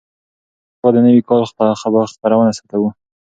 موږ سبا د نوي کال خپرونه ثبتوو.